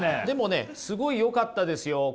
でもねすごいよかったですよ。